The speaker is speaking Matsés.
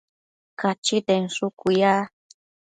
Cachita inshucu ya